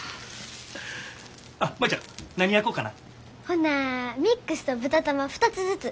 ほなミックスと豚玉２つずつ！